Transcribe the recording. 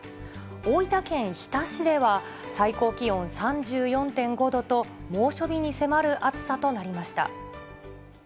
大分県日田市では、最高気温３４．５度と、猛暑日に迫る暑さとなりました。